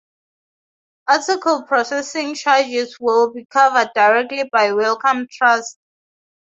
Article Processing Charges will be covered directly by Wellcome Trust.